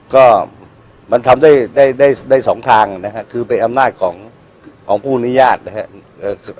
ก็มันทำได้ได้๒ทางนะฮะคือเป็นอำนาจของผู้อนุญาตนะครับ